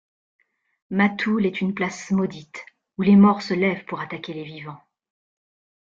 Matoul est une place maudite où les morts se lèvent pour attaquer les vivants.